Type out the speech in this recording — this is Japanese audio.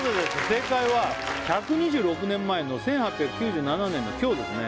正解は１２６年前の１８９７年の今日ですね